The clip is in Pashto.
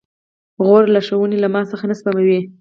غورې لارښوونې له ما څخه نه سپموي.